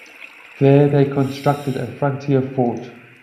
There, they constructed a frontier fort.